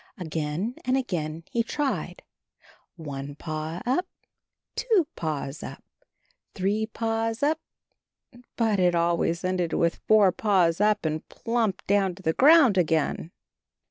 Again and again he tried — one paw up, two paws up, three paws up, but it always ended with ''Four paws up and plump down to the ground again."